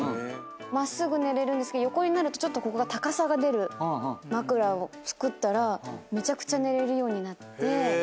真っすぐ寝れるんですけど横になるとここが高さが出る枕を作ったらめちゃくちゃ寝れるようになって。